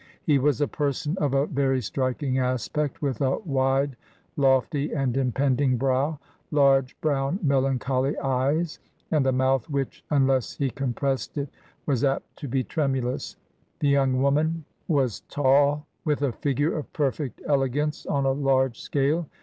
" He was a person of a very striking aspect, with a wide, lofty, and impending brow; large, brown, melancholy eyes, and a mouth which, unless he compressed it, was apt to be tremxilous. ... The young woman was tall, with a figure of perfect elegance on a large scale.